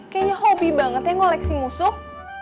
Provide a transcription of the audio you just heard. kayaknya hobi banget ya koleksi musuh